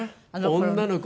「女の子？